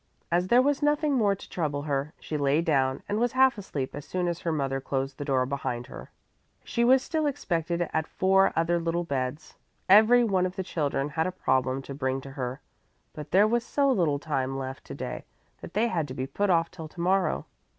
As there was nothing more to trouble her, she lay down and was half asleep as soon as her mother closed the door behind her. She was still expected at four other little beds. Every one of the children had a problem to bring to her, but there was so little time left to day that they had to be put off till to morrow.